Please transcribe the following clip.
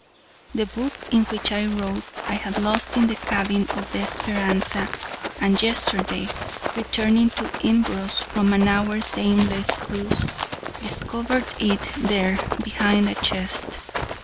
The book in which I wrote I had lost in the cabin of the Speranza, and yesterday, returning to Imbros from an hour's aimless cruise, discovered it there behind a chest.